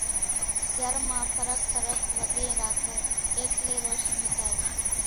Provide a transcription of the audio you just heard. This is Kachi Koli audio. گھر مان ڦرق ڦرق وڳين راکو ايٽلي روشني ٿائي۔